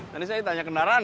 tadi saya ditanya kendaraan